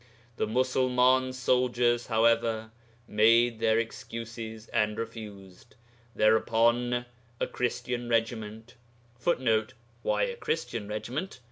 The Musulman soldiers, however, made their excuses and refused. Thereupon a Christian regiment [Footnote: Why a Christian regiment?